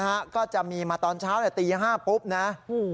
ฮะก็จะมีมาตอนเช้าแต่ตีห้าปุ๊บนะอืม